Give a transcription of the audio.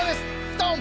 ドン！